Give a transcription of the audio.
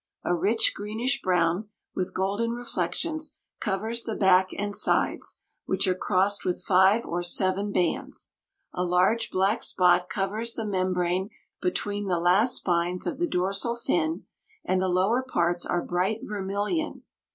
A rich greenish brown, with golden reflections, covers the back and sides, which are crossed with five or seven bands. A large black spot covers the membrane between the last spines of the dorsal fin, and the lower parts are bright vermillion.